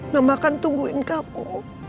mama akan tungguin kamu